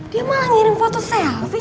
dia mau ngirim foto selfie